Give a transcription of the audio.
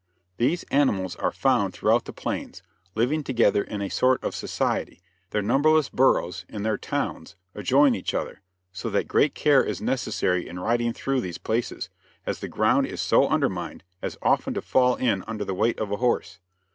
These animals are found throughout the plains, living together in a sort of society; their numberless burrows in their "towns" adjoin each other, so that great care is necessary in riding through these places, as the ground is so undermined as often to fall in under the weight of a horse.